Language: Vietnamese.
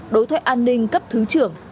đối thoại an ninh cấp thứ trưởng